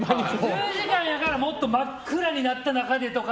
１０時間やったらもっと真っ黒になってとか。